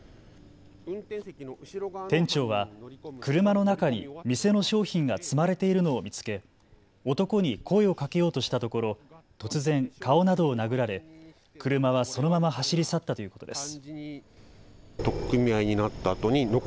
店長は車の中に店の商品が積まれているのを見つけ、男に声をかけようとしたところ、突然、顔などを殴られ車はそのまま走り去ったということです。